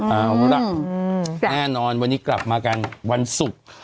เอาล่ะแน่นอนวันนี้กลับมากันวันศุกร์